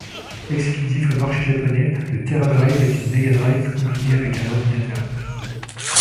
Exclusif au marché japonais, le TeraDrive est une Mega Drive combinée avec un ordinateur.